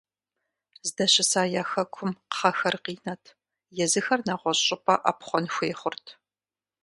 Здэщыса я хэкум кхъэхэр къинэт, езыхэр нэгъуэщӀ щӀыпӀэ Ӏэпхъуэн хуей хъурт.